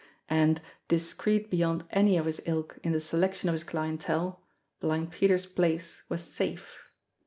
And, discreet beyond any of his ilk in the selection of his clientele, Blind Peter's place was safe.